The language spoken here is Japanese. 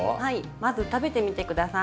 まず食べてみて下さい。